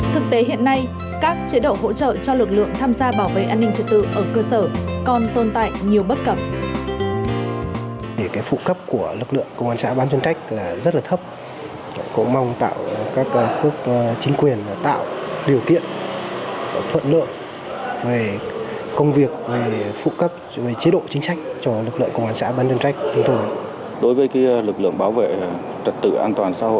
thực tế hiện nay các chế độ hỗ trợ cho lực lượng tham gia bảo vệ an ninh trật tự ở cơ sở